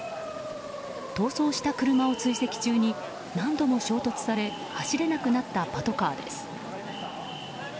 逃走した車を追跡中に何度も追突され走れなくなったパトカーです。